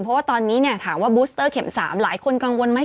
เพราะว่าตอนนี้เนี่ยถามว่าบูสเตอร์เข็ม๓หลายคนกังวลไหม